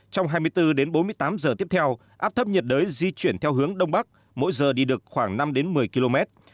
trong hai mươi bốn đến bốn mươi tám giờ tiếp theo áp thấp nhiệt đới di chuyển theo hướng đông bắc mỗi giờ đi được khoảng năm một mươi km